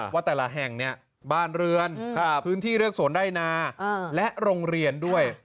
ว่าแต่ละแห่งบ้านเรือนพื้นที่เลือกสวนไร่นาและโรงเรียนด้วย